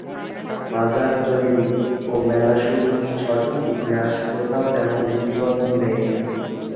মাজার তৈরি ও মেলা শুরুর সঠিক ইতিহাস কোথাও তেমন লিপিবদ্ধ নেই।